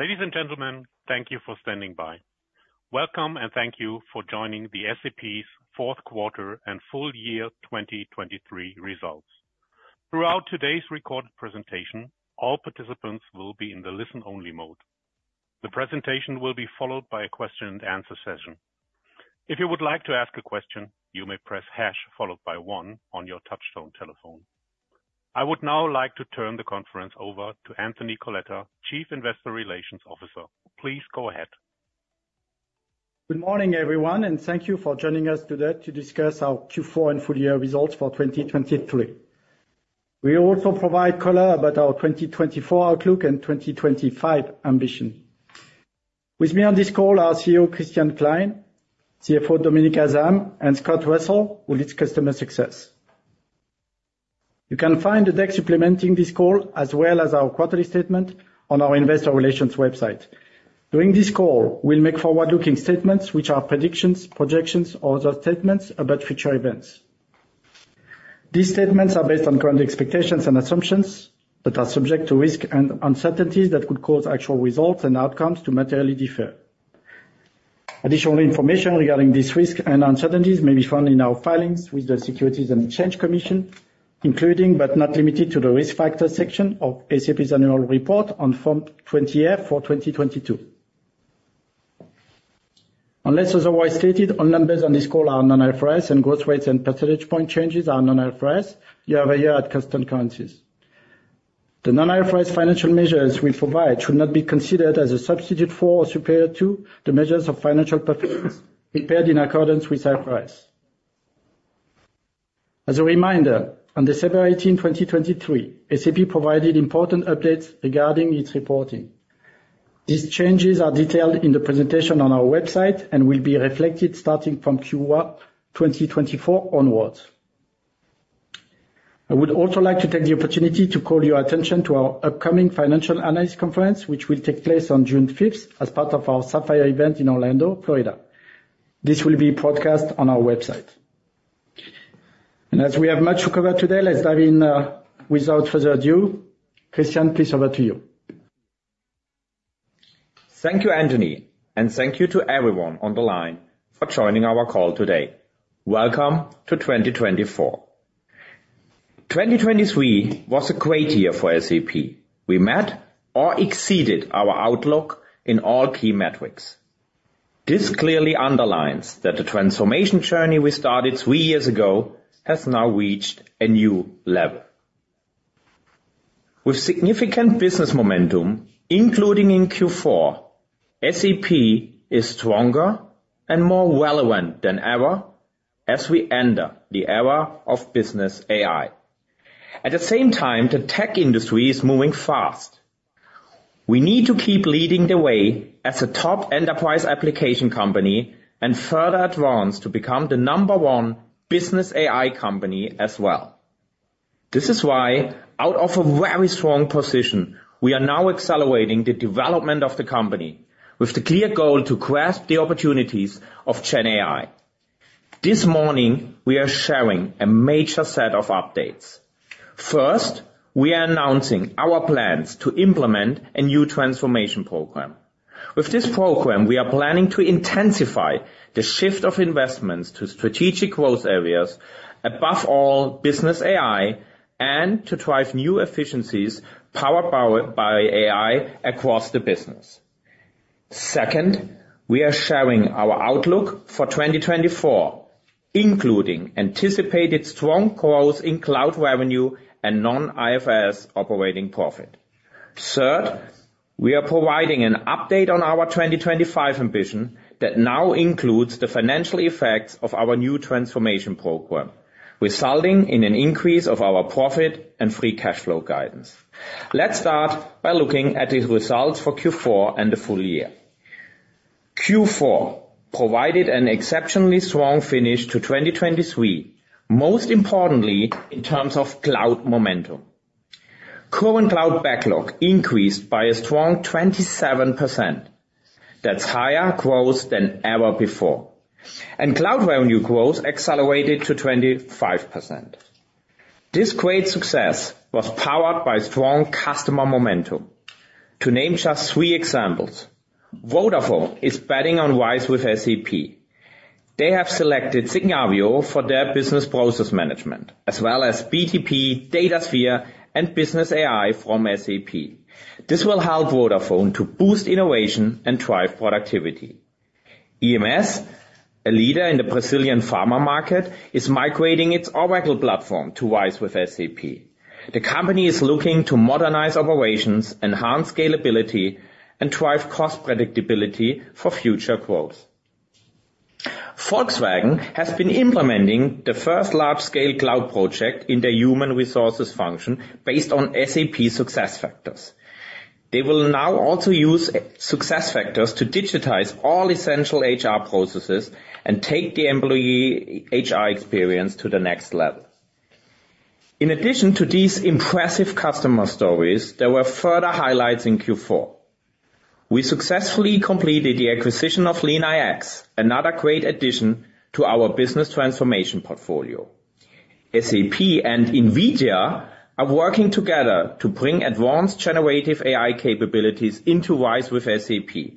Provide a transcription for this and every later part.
Ladies and gentlemen, thank you for standing by. Welcome, and thank you for joining the SAP's Fourth Quarter and Full Year 2023 results. Throughout today's recorded presentation, all participants will be in the listen-only mode. The presentation will be followed by a question and answer session. If you would like to ask a question, you may press hash followed by one on your touch-tone telephone. I would now like to turn the conference over to Anthony Coletta, Chief Investor Relations Officer. Please go ahead. Good morning, everyone, and thank you for joining us today to discuss our Q4 and full-year results for 2023. We also provide color about our 2024 outlook and 2025 ambition. With me on this call are CEO Christian Klein, CFO Dominik Asam, and Scott Russell, who leads Customer Success. You can find the deck supplementing this call, as well as our quarterly statement on our investor relations website. During this call, we'll make forward-looking statements which are predictions, projections, or other statements about future events. These statements are based on current expectations and assumptions that are subject to risk and uncertainties that could cause actual results and outcomes to materially differ. Additional information regarding this risks and uncertainties may be found in our filings with the Securities and Exchange Commission, including, but not limited to, the Risk Factors section of SAP's annual report on Form 20-F for 2022. Unless otherwise stated, all numbers on this call are non-IFRS, and growth rates and percentage point changes are non-IFRS, year-over-year at constant currencies. The non-IFRS financial measures we provide should not be considered as a substitute for or superior to the measures of financial performance prepared in accordance with IFRS. As a reminder, on December 18, 2023, SAP provided important updates regarding its reporting. These changes are detailed in the presentation on our website and will be reflected starting from Q1 2024 onwards. I would also like to take the opportunity to call your attention to our upcoming Financial Analyst Conference, which will take place on June 5th as part of our Sapphire event in Orlando, Florida. This will be broadcast on our website. As we have much to cover today, let's dive in, without further ado. Christian, please, over to you. Thank you, Anthony, and thank you to everyone on the line for joining our call today. Welcome to 2024. 2023 was a great year for SAP. We met or exceeded our outlook in all key metrics. This clearly underlines that the transformation journey we started 3 years ago has now reached a new level. With significant business momentum, including in Q4, SAP is stronger and more relevant than ever as we enter the era of Business AI. At the same time, the tech industry is moving fast. We need to keep leading the way as a top enterprise application company and further advance to become the number 1 Business AI company as well. This is why, out of a very strong position, we are now accelerating the development of the company with the clear goal to grasp the opportunities of Gen AI. This morning, we are sharing a major set of updates. First, we are announcing our plans to implement a new transformation program. With this program, we are planning to intensify the shift of investments to strategic growth areas, above all, Business AI, and to drive new efficiencies powered by AI across the business. Second, we are sharing our outlook for 2024, including anticipated strong growth in cloud revenue and non-IFRS operating profit. Third, we are providing an update on our 2025 ambition that now includes the financial effects of our new transformation program, resulting in an increase of our profit and free cash flow guidance. Let's start by looking at the results for Q4 and the full year. Q4 provided an exceptionally strong finish to 2023, most importantly, in terms of cloud momentum. Current cloud backlog increased by a strong 27%. That's higher growth than ever before, and cloud revenue growth accelerated to 25%. This great success was powered by strong customer momentum. To name just three examples, Vodafone is betting on RISE with SAP. They have selected Signavio for their business process management, as well as BTP, Datasphere, and Business AI from SAP. This will help Vodafone to boost innovation and drive productivity. EMS, a leader in the Brazilian pharma market, is migrating its Oracle platform to RISE with SAP. The company is looking to modernize operations, enhance scalability, and drive cost predictability for future growth. Volkswagen has been implementing the first large-scale cloud project in their human resources function based on SAP SuccessFactors. They will now also use SuccessFactors to digitize all essential HR processes and take the employee HR experience to the next level. In addition to these impressive customer stories, there were further highlights in Q4. We successfully completed the acquisition of LeanIX, another great addition to our business transformation portfolio. SAP and NVIDIA are working together to bring advanced generative AI capabilities into RISE with SAP.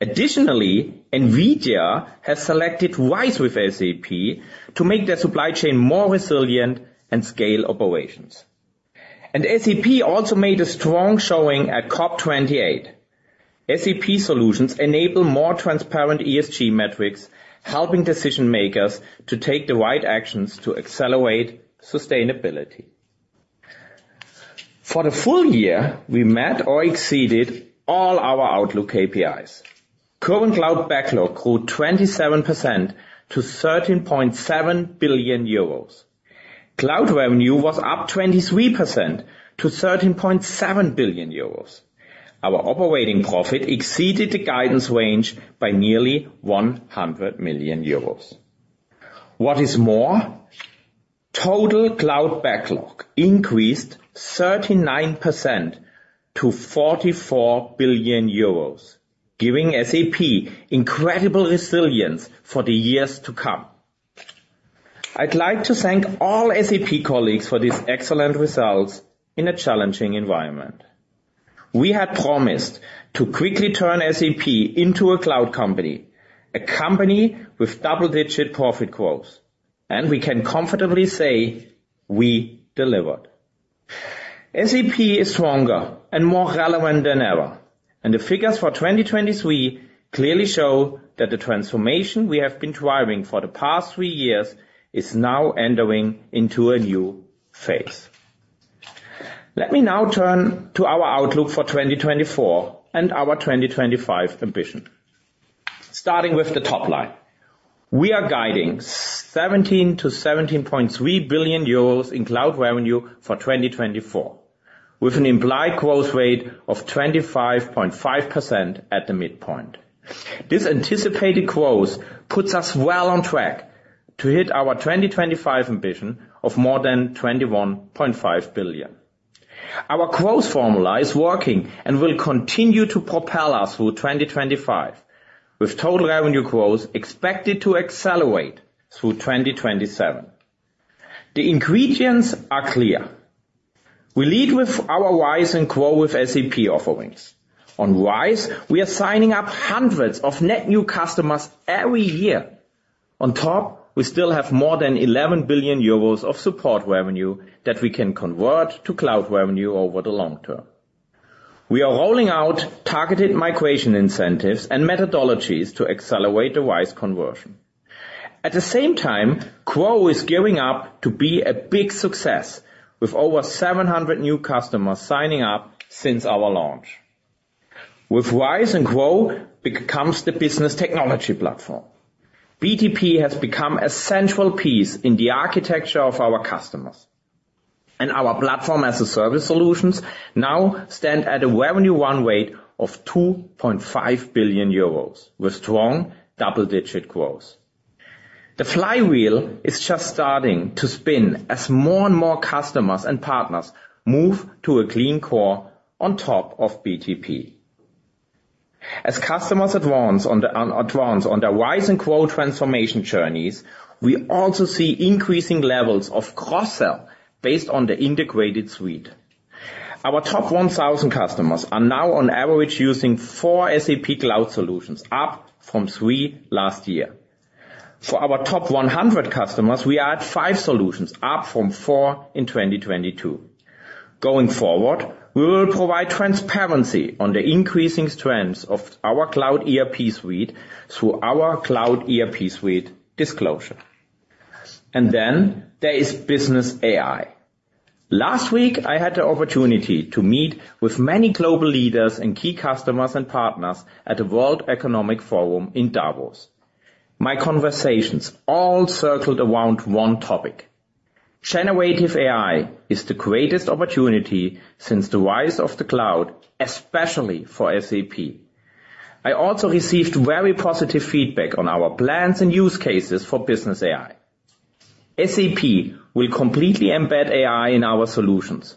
Additionally, NVIDIA has selected RISE with SAP to make their supply chain more resilient and scale operations. And SAP also made a strong showing at COP28. SAP solutions enable more transparent ESG metrics, helping decision makers to take the right actions to accelerate sustainability. For the full year, we met or exceeded all our outlook KPIs. Current cloud backlog grew 27% to 13.7 billion euros. Cloud revenue was up 23% to 13.7 billion euros. Our operating profit exceeded the guidance range by nearly 100 million euros. What is more, total cloud backlog increased 39% to 44 billion euros, giving SAP incredible resilience for the years to come. I'd like to thank all SAP colleagues for these excellent results in a challenging environment. We had promised to quickly turn SAP into a cloud company, a company with double-digit profit growth, and we can comfortably say we delivered. SAP is stronger and more relevant than ever, and the figures for 2023 clearly show that the transformation we have been driving for the past three years is now entering into a new phase. Let me now turn to our outlook for 2024 and our 2025 ambition. Starting with the top line, we are guiding 17 billion-17.3 billion euros in cloud revenue for 2024, with an implied growth rate of 25.5% at the midpoint. This anticipated growth puts us well on track to hit our 2025 ambition of more than 21.5 billion. Our growth formula is working and will continue to propel us through 2025, with total revenue growth expected to accelerate through 2027. The ingredients are clear. We lead with our RISE and GROW with SAP offerings. On RISE, we are signing up hundreds of net new customers every year. On top, we still have more than 11 billion euros of support revenue that we can convert to cloud revenue over the long term. We are rolling out targeted migration incentives and methodologies to accelerate the RISE conversion. At the same time, GROW is gearing up to be a big success, with over 700 new customers signing up since our launch. With RISE and GROW becomes the Business Technology Platform. BTP has become a central piece in the architecture of our customers, and our platform as a service solutions now stand at a revenue run rate of 2.5 billion euros, with strong double-digit growth. The flywheel is just starting to spin as more and more customers and partners move to a Clean Core on top of BTP. As customers advance on their RISE and GROW transformation journeys, we also see increasing levels of cross-sell based on the integrated suite. Our top 1,000 customers are now on average using four SAP Cloud Solutions, up from three last year. For our top 100 customers, we are at five solutions, up from four in 2022. Going forward, we will provide transparency on the increasing trends of our Cloud ERP Suite through our Cloud ERP Suite disclosure. Then there is Business AI. Last week, I had the opportunity to meet with many global leaders and key customers and partners at the World Economic Forum in Davos. My conversations all circled around one topic: Generative AI is the greatest opportunity since the rise of the cloud, especially for SAP. I also received very positive feedback on our plans and use cases for Business AI. SAP will completely embed AI in our solutions.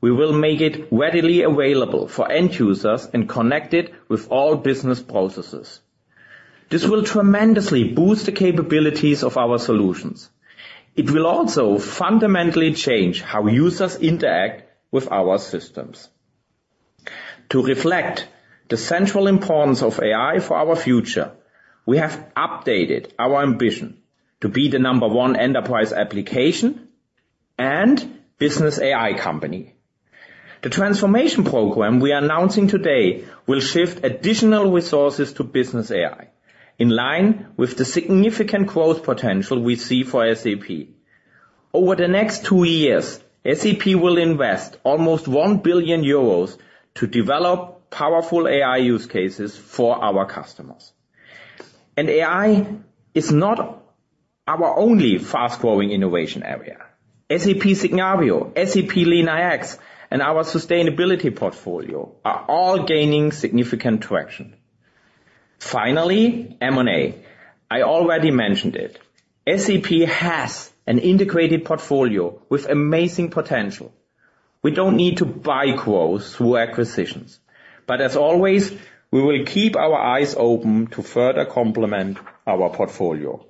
We will make it readily available for end users and connect it with all business processes. This will tremendously boost the capabilities of our solutions. It will also fundamentally change how users interact with our systems. To reflect the central importance of AI for our future, we have updated our ambition to be the number one enterprise application and Business AI company. The transformation program we are announcing today will shift additional resources to Business AI, in line with the significant growth potential we see for SAP. Over the next two years, SAP will invest almost 1 billion euros to develop powerful AI use cases for our customers. And AI is not our only fast-growing innovation area. SAP Signavio, SAP LeanIX, and our sustainability portfolio are all gaining significant traction. Finally, M&A. I already mentioned it. SAP has an integrated portfolio with amazing potential. We don't need to buy growth through acquisitions, but as always, we will keep our eyes open to further complement our portfolio.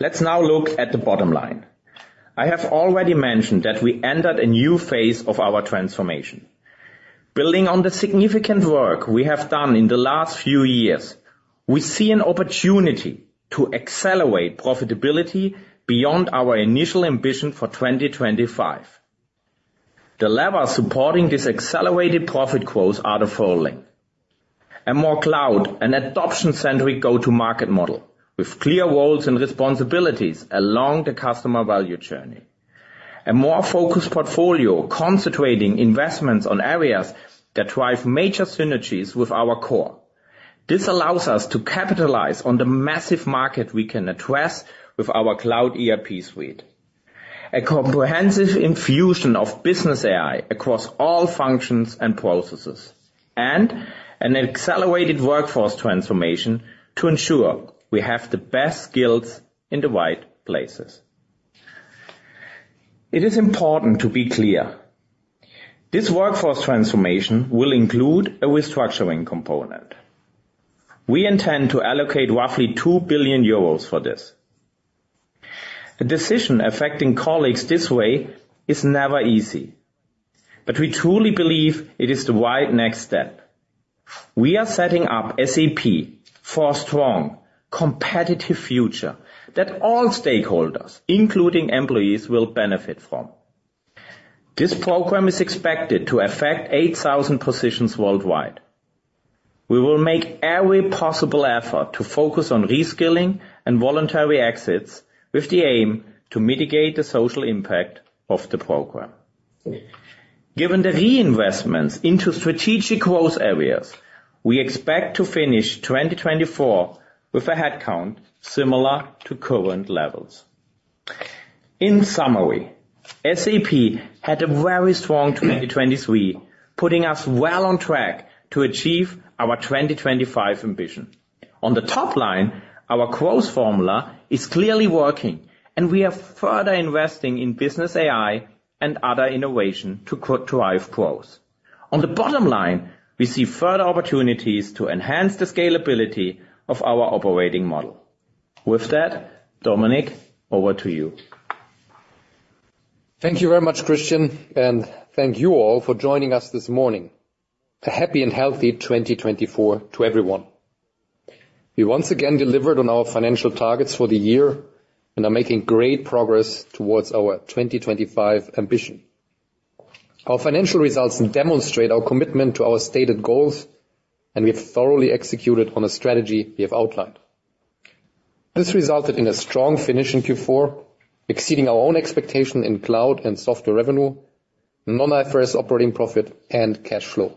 Let's now look at the bottom line. I have already mentioned that we entered a new phase of our transformation. Building on the significant work we have done in the last few years, we see an opportunity to accelerate profitability beyond our initial ambition for 2025. The lever supporting this accelerated profit growth are the following: A more cloud and adoption-centric go-to-market model, with clear roles and responsibilities along the customer value journey. A more focused portfolio, concentrating investments on areas that drive major synergies with our core. This allows us to capitalize on the massive market we can address with our Cloud ERP suite. A comprehensive infusion of Business AI across all functions and processes, and an accelerated workforce transformation to ensure we have the best skills in the right places. It is important to be clear, this workforce transformation will include a restructuring component. We intend to allocate roughly 2 billion euros for this. A decision affecting colleagues this way is never easy, but we truly believe it is the right next step. We are setting up SAP for a strong, competitive future that all stakeholders, including employees, will benefit from. This program is expected to affect 8,000 positions worldwide. We will make every possible effort to focus on reskilling and voluntary exits, with the aim to mitigate the social impact of the program. Given the reinvestments into strategic growth areas, we expect to finish 2024 with a headcount similar to current levels. In summary, SAP had a very strong 2023, putting us well on track to achieve our 2025 ambition. On the top line, our growth formula is clearly working, and we are further investing in Business AI and other innovation to drive growth. On the bottom line, we see further opportunities to enhance the scalability of our operating model. With that, Dominik, over to you. Thank you very much, Christian, and thank you all for joining us this morning. A happy and healthy 2024 to everyone. We once again delivered on our financial targets for the year and are making great progress towards our 2025 ambition. Our financial results demonstrate our commitment to our stated goals, and we've thoroughly executed on the strategy we have outlined. This resulted in a strong finish in Q4, exceeding our own expectation in cloud and software revenue, non-IFRS operating profit, and cash flow.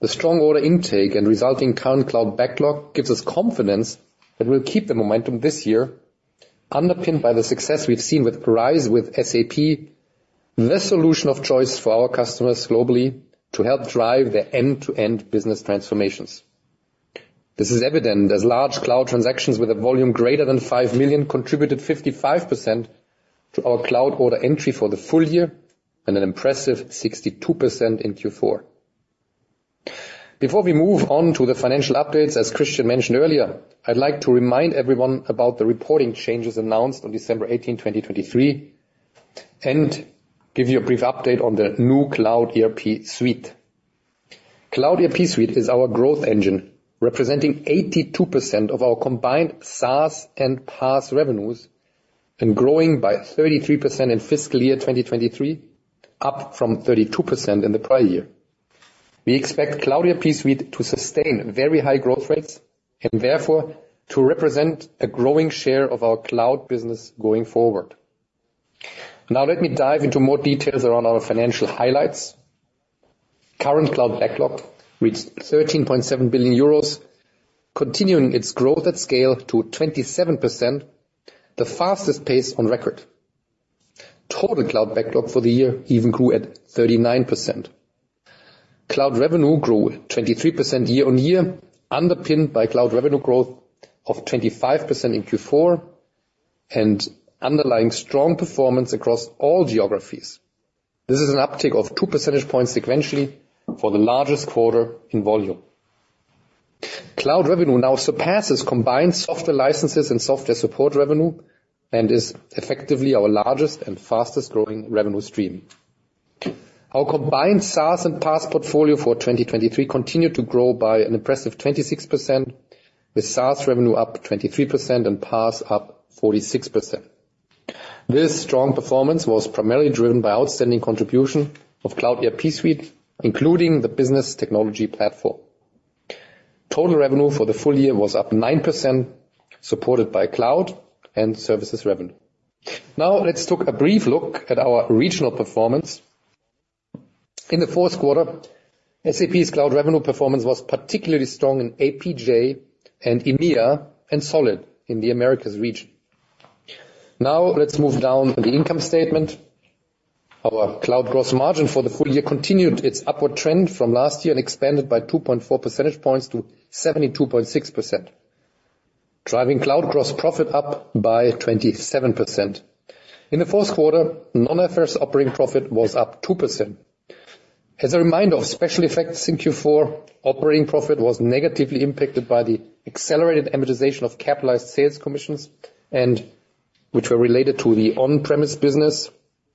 The strong order intake and resulting current cloud backlog gives us confidence that we'll keep the momentum this year, underpinned by the success we've seen with RISE with SAP, the solution of choice for our customers globally to help drive their end-to-end business transformations. This is evident as large cloud transactions with a volume greater than 5 million contributed 55% to our cloud order entry for the full year, and an impressive 62% in Q4. Before we move on to the financial updates, as Christian mentioned earlier, I'd like to remind everyone about the reporting changes announced on December 18, 2023, and give you a brief update on the new Cloud ERP Suite. Cloud ERP Suite is our growth engine, representing 82% of our combined SaaS and PaaS revenues, and growing by 33% in fiscal year 2023, up from 32% in the prior year. We expect Cloud ERP Suite to sustain very high growth rates and therefore, to represent a growing share of our cloud business going forward. Now let me dive into more details around our financial highlights. Current cloud backlog reached 13.7 billion euros, continuing its growth at scale to 27%, the fastest pace on record. Total cloud backlog for the year even grew at 39%. Cloud revenue grew 23% year-on-year, underpinned by cloud revenue growth of 25% in Q4, and underlying strong performance across all geographies. This is an uptick of two percentage points sequentially for the largest quarter in volume. Cloud revenue now surpasses combined software licenses and software support revenue, and is effectively our largest and fastest-growing revenue stream. Our combined SaaS and PaaS portfolio for 2023 continued to grow by an impressive 26%, with SaaS revenue up 23% and PaaS up 46%. This strong performance was primarily driven by outstanding contribution of Cloud ERP Suite, including the Business Technology Platform. Total revenue for the full year was up 9%, supported by cloud and services revenue. Now, let's take a brief look at our regional performance. In the fourth quarter, SAP's cloud revenue performance was particularly strong in APJ and EMEA, and solid in the Americas region. Now, let's move down to the income statement. Our cloud gross margin for the full year continued its upward trend from last year and expanded by 2.4 percentage points to 72.6%, driving cloud gross profit up by 27%. In the fourth quarter, non-IFRS operating profit was up 2%. As a reminder of special effects in Q4, operating profit was negatively impacted by the accelerated amortization of capitalized sales commissions, and which were related to the on-premise business.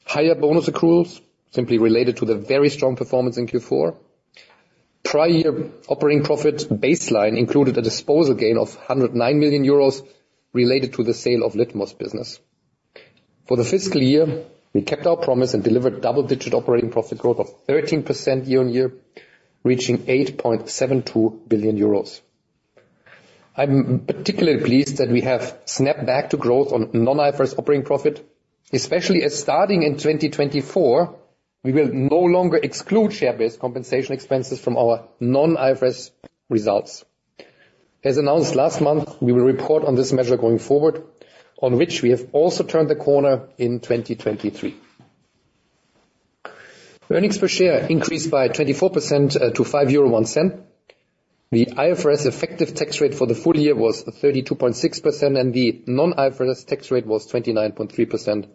Higher bonus accruals, simply related to the very strong performance in Q4. Prior year operating profit baseline included a disposal gain of 109 million euros related to the sale of Litmos business. For the fiscal year, we kept our promise and delivered double-digit operating profit growth of 13% year-on-year, reaching 8.72 billion euros. I'm particularly pleased that we have snapped back to growth on non-IFRS operating profit, especially as starting in 2024, we will no longer exclude share-based compensation expenses from our non-IFRS results. As announced last month, we will report on this measure going forward, on which we have also turned the corner in 2023. Earnings per share increased by 24% to 5.01 euro. The IFRS effective tax rate for the full year was 32.6%, and the non-IFRS tax rate was 29.3%.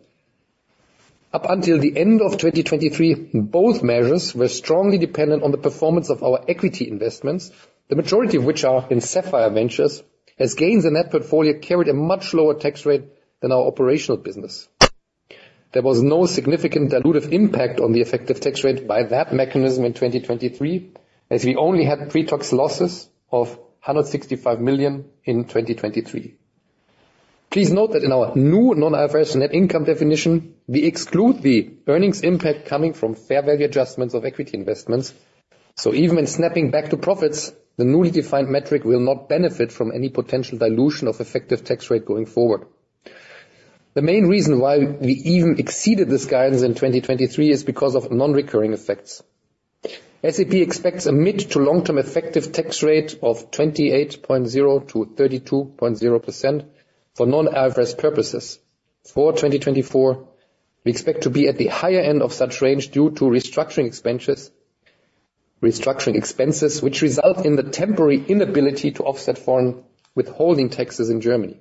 Up until the end of 2023, both measures were strongly dependent on the performance of our equity investments, the majority of which are in Sapphire Ventures, as gains in net portfolio carried a much lower tax rate than our operational business. There was no significant dilutive impact on the effective tax rate by that mechanism in 2023, as we only had pre-tax losses of 165 million in 2023. Please note that in our new non-IFRS net income definition, we exclude the earnings impact coming from fair value adjustments of equity investments. So even when snapping back to profits, the newly defined metric will not benefit from any potential dilution of effective tax rate going forward. The main reason why we even exceeded this guidance in 2023 is because of non-recurring effects. SAP expects a mid- to long-term effective tax rate of 28.0%-32.0% for non-IFRS purposes. For 2024, we expect to be at the higher end of such range due to restructuring expenses, restructuring expenses, which result in the temporary inability to offset foreign withholding taxes in Germany.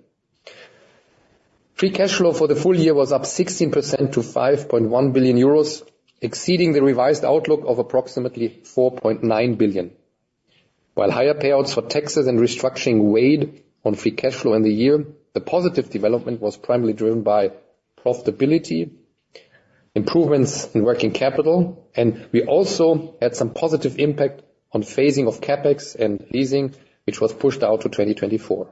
Free cash flow for the full year was up 16% to 5.1 billion euros, exceeding the revised outlook of approximately 4.9 billion. While higher payouts for taxes and restructuring weighed on free cash flow in the year, the positive development was primarily driven by profitability, improvements in working capital, and we also had some positive impact on phasing of CapEx and leasing, which was pushed out to 2024.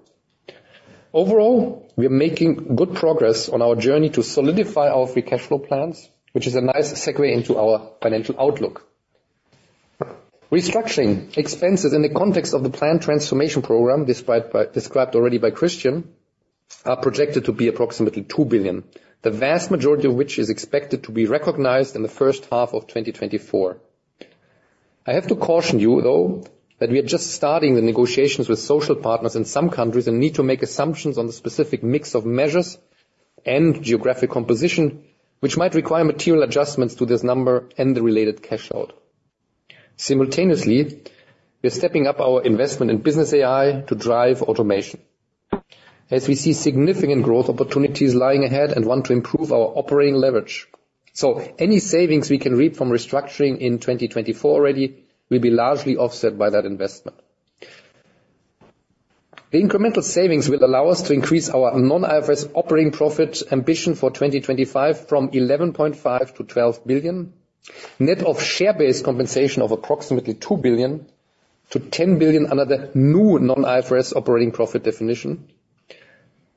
Overall, we are making good progress on our journey to solidify our free cash flow plans, which is a nice segue into our financial outlook. Restructuring expenses in the context of the planned transformation program, despite described already by Christian, are projected to be approximately 2 billion, the vast majority of which is expected to be recognized in the first half of 2024. I have to caution you, though, that we are just starting the negotiations with social partners in some countries, and need to make assumptions on the specific mix of measures and geographic composition, which might require material adjustments to this number and the related cash out. Simultaneously, we are stepping up our investment in Business AI to drive automation, as we see significant growth opportunities lying ahead and want to improve our operating leverage. So any savings we can reap from restructuring in 2024 already, will be largely offset by that investment. The incremental savings will allow us to increase our non-IFRS operating profit ambition for 2025 from 11.5 billion-12 billion, net of share-based compensation of approximately 2 billion-10 billion under the new non-IFRS operating profit definition.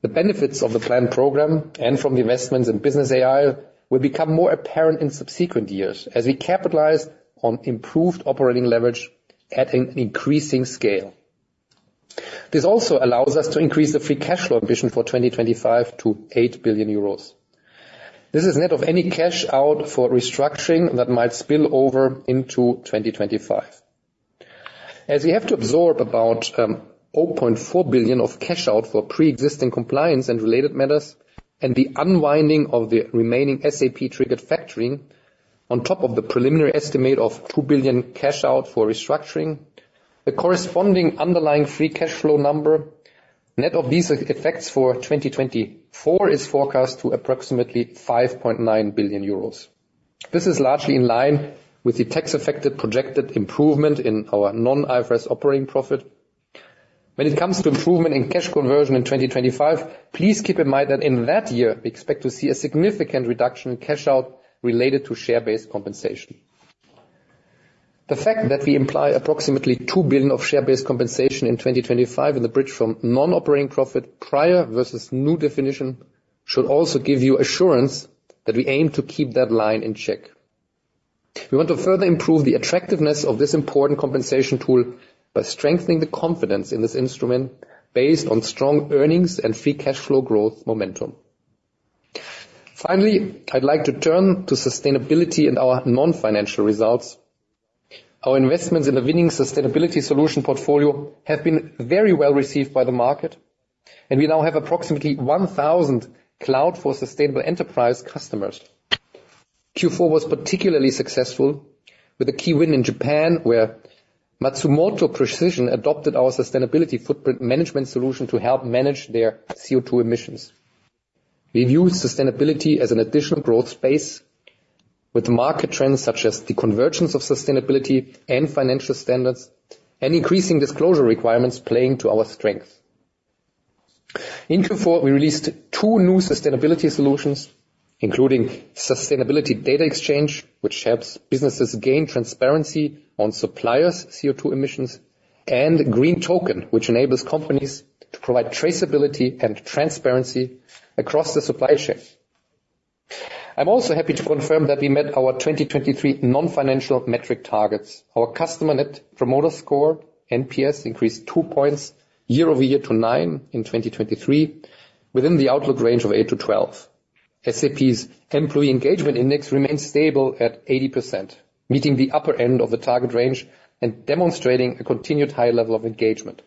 The benefits of the planned program and from the investments in Business AI, will become more apparent in subsequent years as we capitalize on improved operating leverage at an increasing scale. This also allows us to increase the free cash flow ambition for 2025 to 8 billion euros. This is net of any cash out for restructuring that might spill over into 2025. As we have to absorb about, 0.4 billion of cash out for pre-existing compliance and related matters, and the unwinding of the remaining SAP-triggered factoring, on top of the preliminary estimate of 2 billion cash out for restructuring, the corresponding underlying free cash flow number, net of these effects for 2024, is forecast to approximately 5.9 billion euros. This is largely in line with the tax-affected projected improvement in our non-IFRS operating profit. When it comes to improvement in cash conversion in 2025, please keep in mind that in that year, we expect to see a significant reduction in cash out related to share-based compensation. The fact that we imply approximately 2 billion of share-based compensation in 2025 in the bridge from non-operating profit prior versus new definition, should also give you assurance that we aim to keep that line in check. We want to further improve the attractiveness of this important compensation tool by strengthening the confidence in this instrument based on strong earnings and free cash flow growth momentum. Finally, I'd like to turn to sustainability and our non-financial results. Our investments in the winning sustainability solution portfolio have been very well received by the market, and we now have approximately 1,000 Cloud for Sustainable Enterprises customers. Q4 was particularly successful with a key win in Japan, where Matsumoto Precision adopted our Sustainability Footprint Management solution to help manage their CO2 emissions. We view sustainability as an additional growth space, with market trends such as the convergence of sustainability and financial standards, and increasing disclosure requirements playing to our strength. In Q4, we released 2 new sustainability solutions, including Sustainability Data Exchange, which helps businesses gain transparency on suppliers' CO2 emissions, and Green Token, which enables companies to provide traceability and transparency across the supply chain. I'm also happy to confirm that we met our 2023 non-financial metric targets. Our customer Net Promoter Score, NPS, increased 2 points year-over-year to 9 in 2023, within the outlook range of 8-12. SAP's employee engagement index remains stable at 80%, meeting the upper end of the target range and demonstrating a continued high level of engagement.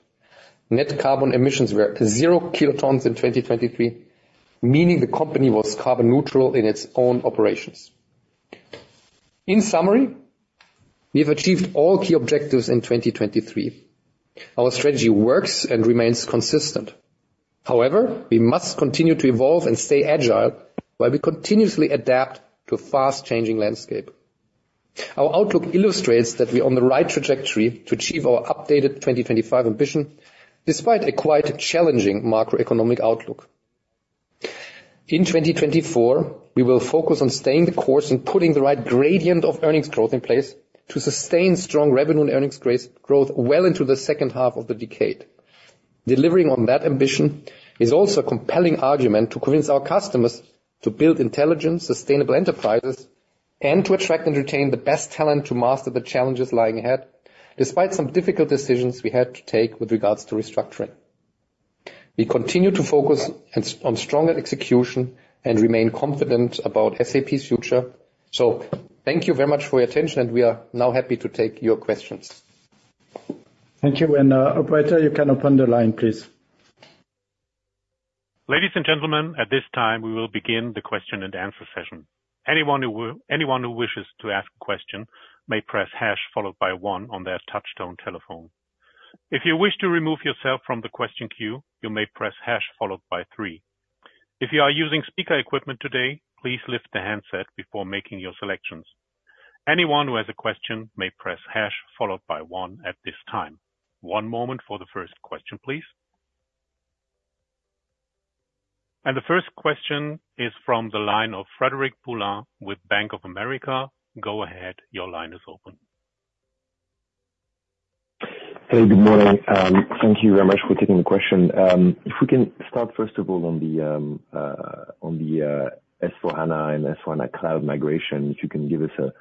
Net carbon emissions were 0 kilotons in 2023, meaning the company was carbon neutral in its own operations. In summary, we've achieved all key objectives in 2023. Our strategy works and remains consistent. However, we must continue to evolve and stay agile while we continuously adapt to a fast-changing landscape. Our outlook illustrates that we're on the right trajectory to achieve our updated 2025 ambition, despite a quite challenging macroeconomic outlook. In 2024, we will focus on staying the course and putting the right gradient of earnings growth in place to sustain strong revenue and earnings growth well into the second half of the decade. Delivering on that ambition is also a compelling argument to convince our customers to build intelligent, sustainable enterprises, and to attract and retain the best talent to master the challenges lying ahead, despite some difficult decisions we had to take with regards to restructuring. We continue to focus on stronger execution and remain confident about SAP's future. Thank you very much for your attention, and we are now happy to take your questions. Thank you. Operator, you can open the line, please. Ladies and gentlemen, at this time, we will begin the question-and-answer session. Anyone who wishes to ask a question may press hash followed by one on their touchtone telephone. If you wish to remove yourself from the question queue, you may press hash followed by three. If you are using speaker equipment today, please lift the handset before making your selections. Anyone who has a question may press hash followed by one at this time. One moment for the first question, please. And the first question is from the line of Frederic Boulan with Bank of America. Go ahead, your line is open. Hey, good morning. Thank you very much for taking the question. If we can start, first of all, on the S/4HANA and S/4HANA Cloud migration, if you can give us an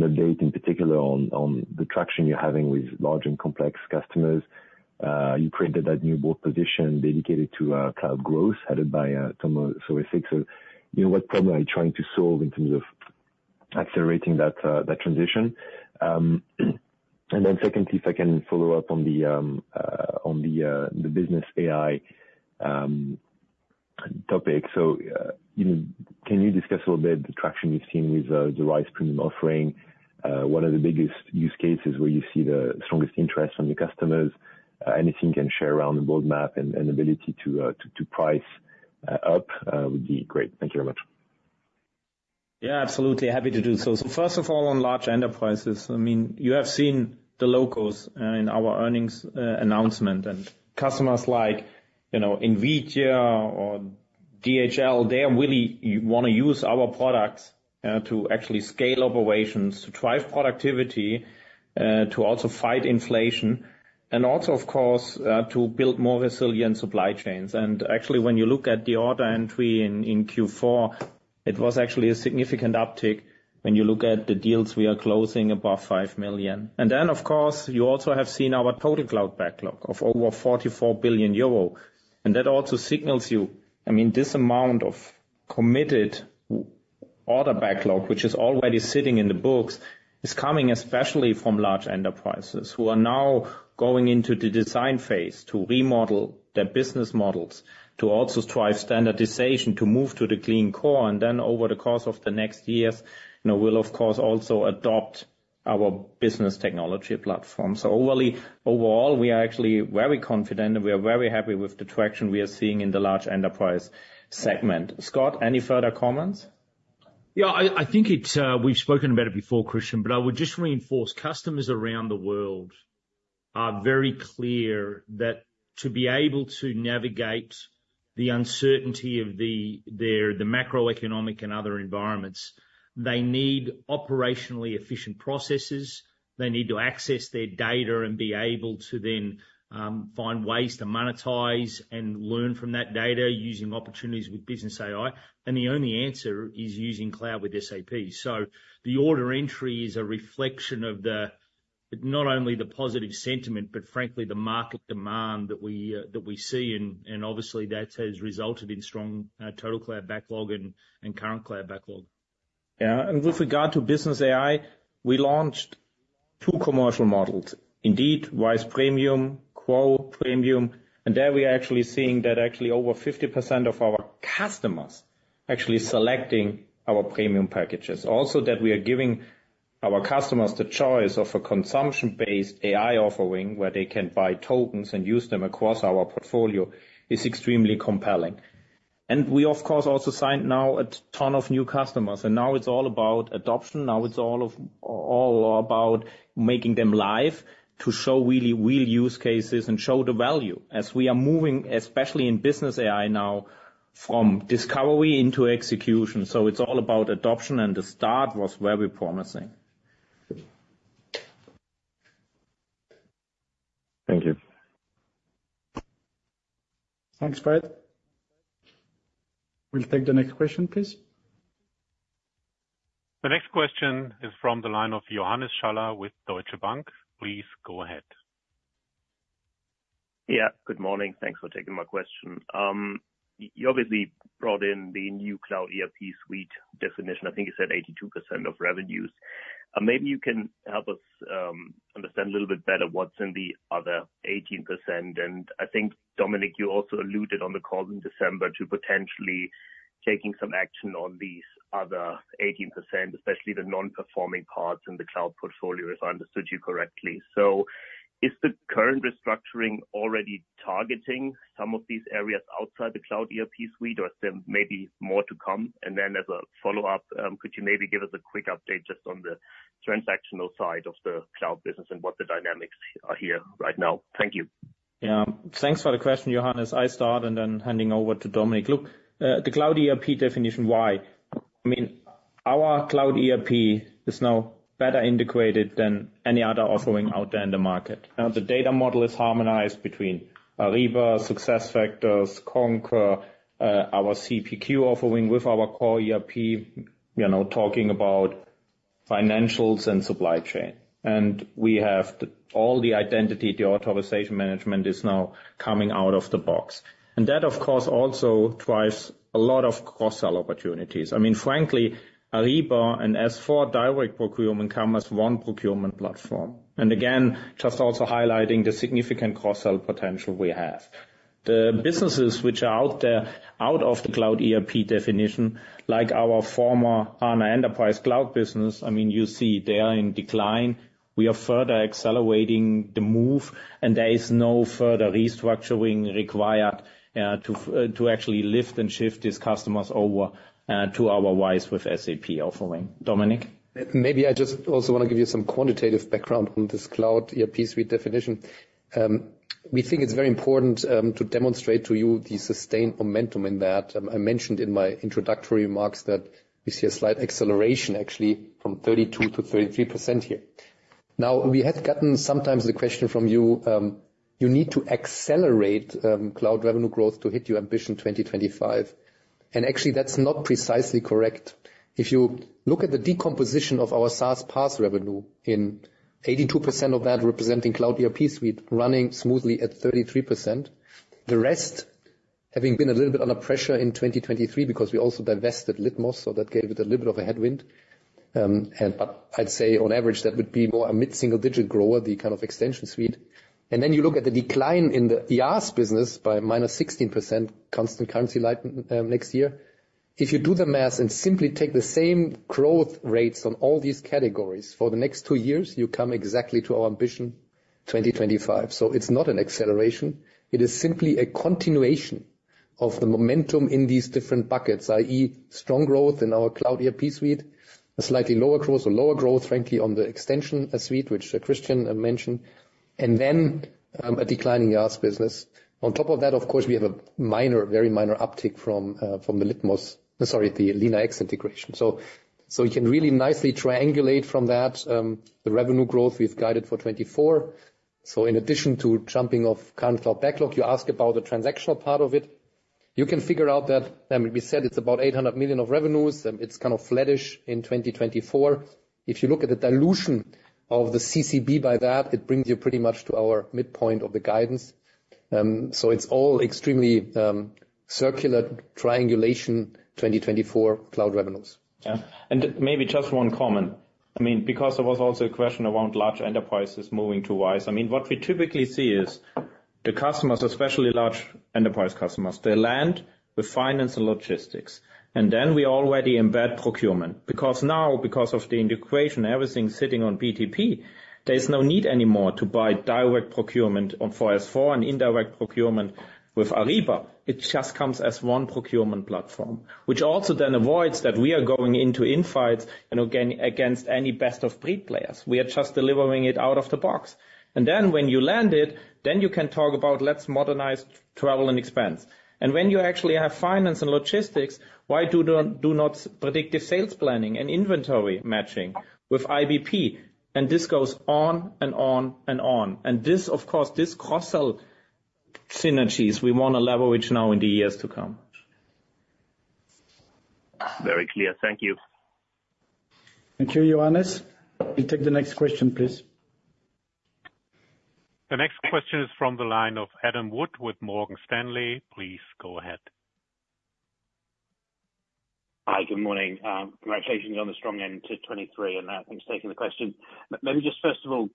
update in particular on the traction you're having with large and complex customers. You created that new board position dedicated to cloud growth, headed by Thomas Saueressig. So, you know, what problem are you trying to solve in terms of accelerating that transition? And then secondly, if I can follow up on the Business AI topic. So, you know, can you discuss a little bit the traction you've seen with the RISE premium offering? What are the biggest use cases where you see the strongest interest from the customers? Anything you can share around the roadmap and ability to price up would be great. Thank you very much. Yeah, absolutely. Happy to do so. So first of all, on large enterprises, I mean, you have seen the logos in our earnings announcement. And customers like, you know, NVIDIA or DHL, they really want to use our products to actually scale operations, to drive productivity, to also fight inflation, and also, of course, to build more resilient supply chains. And actually, when you look at the order entry in Q4, it was actually a significant uptick when you look at the deals we are closing above 5 million. And then, of course, you also have seen our total cloud backlog of over 44 billion euro, and that also signals you. I mean, this amount of committed order backlog, which is already sitting in the books, is coming especially from large enterprises, who are now going into the design phase to remodel their business models, to also drive standardization, to move to the Clean Core, and then over the course of the next years, you know, will of course also adopt our Business Technology Platform. So overall, we are actually very confident, and we are very happy with the traction we are seeing in the large enterprise segment. Scott, any further comments? Yeah, I think it's, we've spoken about it before, Christian, but I would just reinforce, customers around the world are very clear that to be able to navigate the uncertainty of the macroeconomic and other environments, they need operationally efficient processes. They need to access their data and be able to then find ways to monetize and learn from that data using opportunities with Business AI. And the only answer is using cloud with SAP. So the order entry is a reflection of the not only the positive sentiment, but frankly, the market demand that we see. And obviously, that has resulted in strong total cloud backlog and current cloud backlog. Yeah, and with regard to Business AI, we launched two commercial models. Indeed, RISE premium, GROW premium, and there we are actually seeing that actually over 50% of our customers actually selecting our premium packages. Also, that we are giving our customers the choice of a consumption-based AI offering, where they can buy tokens and use them across our portfolio, is extremely compelling. And we, of course, also signed now a ton of new customers, and now it's all about adoption. Now, it's all of, all about making them live to show really real use cases and show the value as we are moving, especially in Business AI now, from discovery into execution. So it's all about adoption, and the start was very promising. Thank you. Thanks, Fred. We'll take the next question, please. The next question is from the line of Johannes Schaller with Deutsche Bank. Please go ahead. Yeah, good morning. Thanks for taking my question. You obviously brought in the new Cloud ERP Suite definition. I think you said 82% of revenues. Maybe you can help us understand a little bit better what's in the other 18%. And I think, Dominik, you also alluded on the call in December to potentially taking some action on these other 18%, especially the non-performing parts in the cloud portfolio, if I understood you correctly. So is the current restructuring already targeting some of these areas outside the Cloud ERP Suite, or is there maybe more to come? And then as a follow-up, could you maybe give us a quick update just on the transactional side of the cloud business and what the dynamics are here right now? Thank you. Yeah. Thanks for the question, Johannes. I start and then handing over to Dominik. Look, the Cloud ERP definition, why? I mean, our Cloud ERP is now better integrated than any other offering out there in the market. Now, the data model is harmonized between Ariba, SuccessFactors, Concur, our CPQ offering with our core ERP. We are now talking about financials and supply chain, and we have all the identity, the authorization management is now coming out of the box. And that, of course, also drives a lot of cross-sell opportunities. I mean, frankly, Ariba and S/4 direct procurement come as one procurement platform. And again, just also highlighting the significant cross-sell potential we have. The businesses which are out there, out of the Cloud ERP definition, like our former Enterprise Cloud business, I mean, you see they are in decline. We are further accelerating the move, and there is no further restructuring required, to actually lift and shift these customers over, to our RISE with SAP offering. Dominik? Maybe I just also want to give you some quantitative background on this Cloud ERP Suite definition. We think it's very important to demonstrate to you the sustained momentum in that. I, I mentioned in my introductory remarks that we see a slight acceleration, actually, from 32%-33% here. Now, we have gotten sometimes the question from you: You need to accelerate cloud revenue growth to hit your ambition 2025. And actually, that's not precisely correct. If you look at the decomposition of our SaaS PaaS revenue, in 82% of that representing Cloud ERP Suite, running smoothly at 33%, the rest having been a little bit under pressure in 2023 because we also divested Litmos, so that gave it a little bit of a headwind. And but I'd say on average, that would be more a mid-single digit grower, the kind of extension suite. And then you look at the decline in the IaaS business by -16% constant currency like, next year. If you do the math and simply take the same growth rates on all these categories for the next two years, you come exactly to our ambition, 2025. So it's not an acceleration, it is simply a continuation of the momentum in these different buckets, i.e., strong growth in our Cloud ERP Suite, a slightly lower growth or lower growth, frankly, on the extension suite, which Christian mentioned, and then, a decline in the IaaS business. On top of that, of course, we have a minor, very minor uptick from, from the Litmos—Sorry, the LeanIX integration. So you can really nicely triangulate from that, the revenue growth we've guided for 2024. So in addition to jumping off current backlog, you ask about the transactional part of it. You can figure out that, I mean, we said it's about 800 million of revenues, it's kind of flattish in 2024. If you look at the dilution of the CCB by that, it brings you pretty much to our midpoint of the guidance. So it's all extremely circular triangulation 2024 cloud revenues. Yeah. And maybe just one comment. I mean, because there was also a question around large enterprises moving to RISE. I mean, what we typically see is the customers, especially large enterprise customers, they land with finance and logistics, and then we already embed procurement. Because now, because of the integration, everything sitting on BTP, there is no need anymore to buy direct procurement on for S/4 and indirect procurement with Ariba. It just comes as one procurement platform, which also then avoids that we are going into infights and again, against any best-of-breed players. We are just delivering it out of the box. And then when you land it, then you can talk about let's modernize travel and expense. And when you actually have finance and logistics, why do not predictive sales planning and inventory matching with IBP? And this goes on and on and on. This, of course, this cross-sell synergies we want to leverage now in the years to come. Very clear. Thank you. Thank you, Johannes. We'll take the next question, please. The next question is from the line of Adam Wood with Morgan Stanley. Please go ahead. Hi, good morning. Congratulations on the strong end to 2023, and thanks for taking the question. Let me just first of all,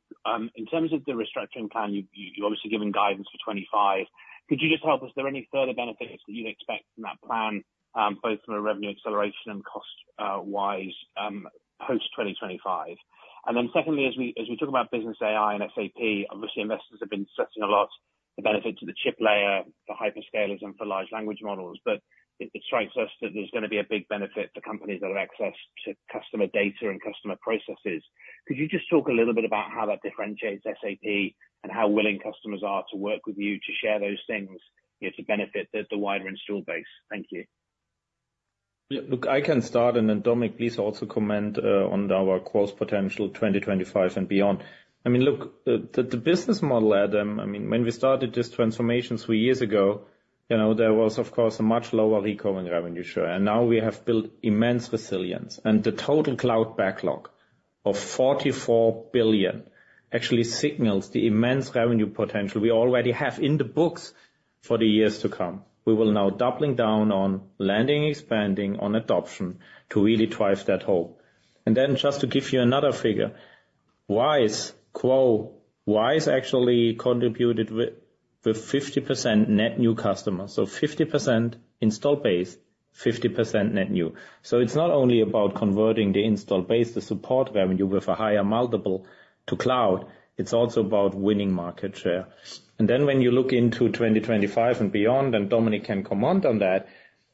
in terms of the restructuring plan, you've obviously given guidance for 2025. Could you just help, is there any further benefits that you'd expect from that plan, both from a revenue acceleration and cost wise, post-2025? And then secondly, as we talk about Business AI and SAP, obviously, investors have been discussing a lot the benefit to the chip layer, for hyperscalers and for large language models. But it strikes us that there's gonna be a big benefit to companies that have access to customer data and customer processes. Could you just talk a little bit about how that differentiates SAP, and how willing customers are to work with you to share those things, you know, to benefit the wider installed base? Thank you. Yeah, look, I can start, and then Dominik, please also comment on our growth potential 2025 and beyond. I mean, look, the business model, Adam, I mean, when we started this transformation three years ago, you know, there was, of course, a much lower recurring revenue share, and now we have built immense resilience. And the total cloud backlog of 44 billion actually signals the immense revenue potential we already have in the books for the years to come. We will now doubling down on landing, expanding, on adoption, to really drive that home. And then just to give you another figure, RISE actually contributed with 50% net new customers, so 50% installed base, 50% net new. So it's not only about converting the installed base, the support revenue, with a higher multiple to cloud, it's also about winning market share. And then when you look into 2025 and beyond, and Dominik can comment on that,